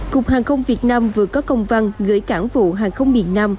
cục hàng không việt nam vừa có công văn gửi cảng vụ hàng không miền nam